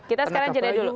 kita sekarang jeda dulu